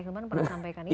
hilman pernah sampaikan itu